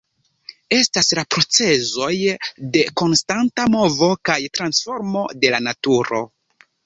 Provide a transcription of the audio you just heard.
Estas la procezoj de konstanta movo kaj transformo de la naturo.